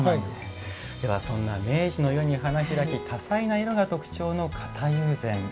ではそんな明治の世に花開き多彩な色が特徴の型友禅。